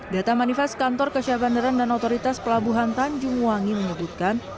data manifest kantor kesehatan dan otoritas pelabuhan tanjung wangi menyebutkan